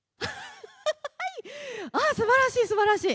あー、すばらしい、すばらしい。